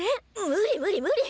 無理無理無理！